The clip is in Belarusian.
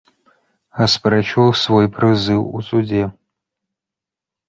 Аспрэчваў свой прызыў у судзе.